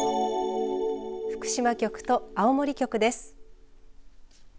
福島局と青森局です。